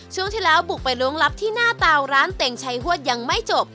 ช่วงที่แล้วบุกไปล้วงลับที่หน้าเตาร้านเต็งชัยฮวดยังไม่จบ